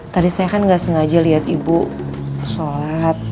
tadi saya kan nggak sengaja lihat ibu sholat